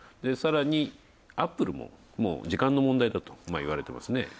さらに、アップルも時間の問題だとといわれていますね。